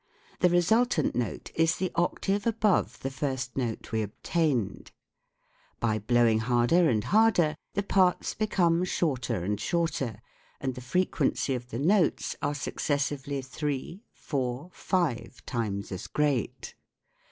The resultant note is the octave above the first note we obtained. By blowing harder and harder the parts become shorter and shorter, and the fre quency of the notes are suc cessively three, four, five ... times as great.